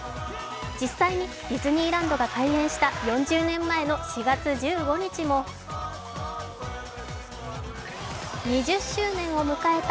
実際にディズニーランドが開園した４０年前の４月１５日も、２０周年を迎えた